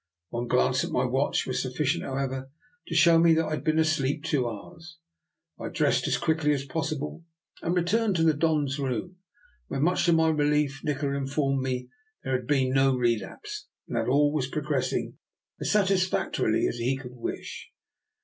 One glance at my watch was sufficient, however, to show me that I had been asleep two hours. I dressed as DR. NIKOLA'S EXPERIMENT. 207 quickly as possible and returned to the Don's room, when, much to my relief, Nikola in formed me that there had been no relapse, and that all was progressing as satisfactorily as he could wish.